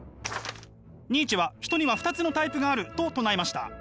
ニーチェは人には２つのタイプがあると唱えました。